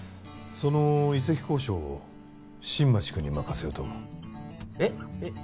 その移籍交渉を新町君に任せようと思うえっえっ